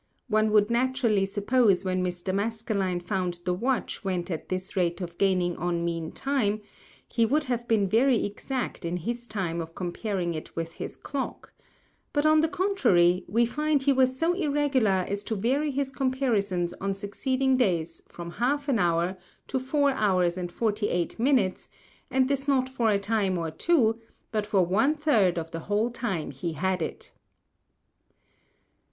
One would naturally suppose when Mr. Maskelyne found the Watch went at this Rate of gaining on Mean Time, he would have been very exact in his Time of comparing it with his Clock; but on the contrary we find he was so irregular as to vary his Comparisons on succeeding Days from half an Hour to four Hours and 48 Minutes, and this not for a Time or two, but for one third of the whole Time he had it.